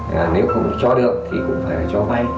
nếu không cho được thì cũng phải là cho may